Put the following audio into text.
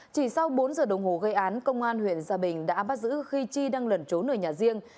chỉ sau bốn giờ đồng hồ gây án công an huyện gia bình đã bắt giữ khi chi đang lẩn trốn ở nhà riêng